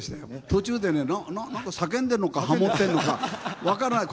途中でね何か叫んでるのかハモってんのか分からない。